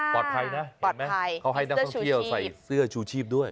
นะเห็นไหมเขาให้นักท่องเที่ยวใส่เสื้อชูชีพด้วย